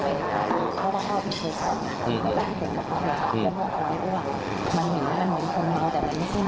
เอาไปก็เคยบอกว่ามันเหมือนมันเหมือนคนจะหนึ่ง